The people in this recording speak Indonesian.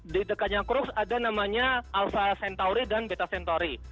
di dekatnya crux ada namanya alpha centauri dan beta centauri